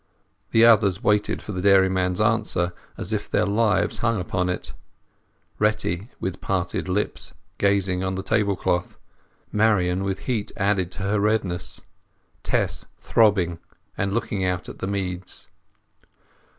The others waited for the dairyman's answer as if their lives hung upon it; Retty, with parted lips, gazing on the tablecloth, Marian with heat added to her redness, Tess throbbing and looking out at the meads.